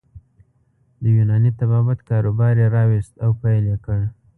د یوناني طبابت کاروبار يې راویست او پیل یې کړ.